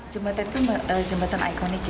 jembatan itu jembatan ikon